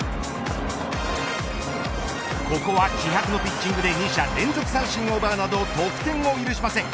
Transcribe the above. ここは気迫のピッチングで２者連続三振を奪うなど得点を許しません。